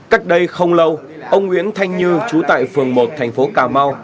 cách đây không lâu ông nguyễn thanh như trú tại phường một thành phố cà mau